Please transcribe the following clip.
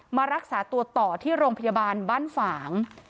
มารักษาตัวต่อที่โรงพยาบาลบ้านฝาง